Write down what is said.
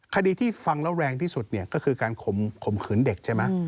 คดีที่ฟังแล้วแรงที่สุดเนี่ยก็คือการข่มขืนเด็กใช่ไหม